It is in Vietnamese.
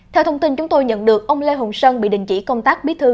theo thông tin chúng tôi nhận được ông lê hồng sơn bị đình chỉ công tác bí thư